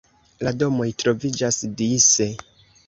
La domoj troviĝas dise.